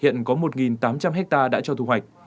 hiện có một tám trăm linh hectare đã cho thu hoạch